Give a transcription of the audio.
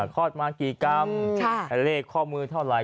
คลอดมากี่กรัมเลขข้อมือเท่าไหร